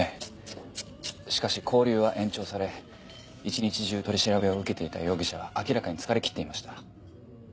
しかし拘留は延長され一日中取り調べを受けていた容疑者は明らかに疲れ切っていました